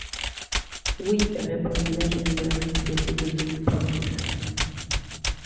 Oui, répondit l’ingénieur, qui était devenu pensif.